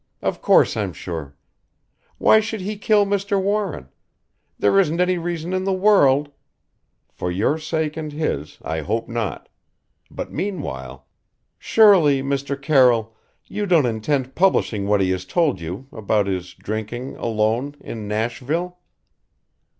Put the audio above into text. Of course I'm sure. Why should he kill Mr. Warren? There isn't any reason in the world " "For your sake and his, I hope not. But meanwhile " "Surely, Mr. Carroll you don't intend publishing what he has told you about his drinking alone in Nashville?"